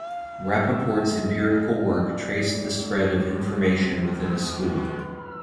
Rapoport's empirical work traced the spread of information within a school.